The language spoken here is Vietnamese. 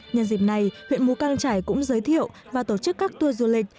nhân dịp này huyện mù căng trải cũng giới thiệu và tổ chức các tour du lịch